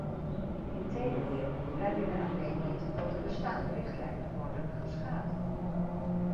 Integendeel, wij willen alleen niet dat de bestaande richtlijnen worden geschaad.